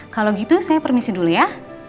kalau gitu saya permisi dulu ya